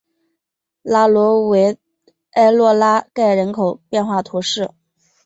拉卢维埃洛拉盖人口变化图示